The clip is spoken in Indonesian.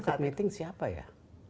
yang ikut meeting siapa ya